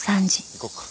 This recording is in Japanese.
行こっか。